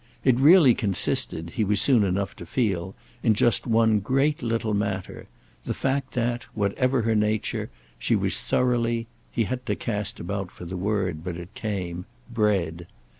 It really consisted, he was soon enough to feel, in just one great little matter, the fact that, whatever her nature, she was thoroughly—he had to cast about for the word, but it came—bred.